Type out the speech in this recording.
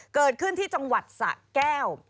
เกิดขึ้นที่จังหวัดสะแก้ว